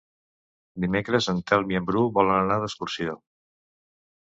Dimecres en Telm i en Bru volen anar d'excursió.